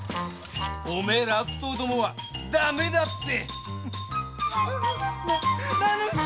お前ら悪党どもはダメだっぺ！